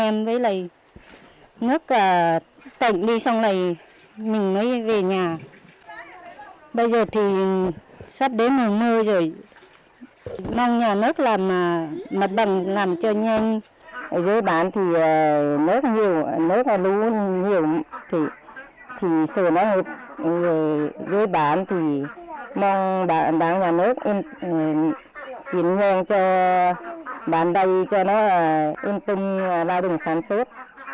mong đảng nhà nước chiến gian cho bản nà phầy cho nó yên tâm lao động sản xuất